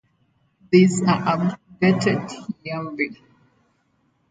These are updated yearly.